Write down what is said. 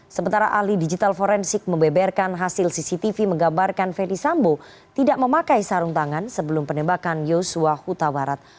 sementara ahli digital forensik membeberkan hasil cctv menggabarkan ferdisambo tidak memakai sarung tangan sebelum penembakan yosua huta barat